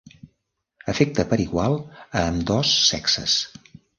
Afecta per igual a ambdós sexes.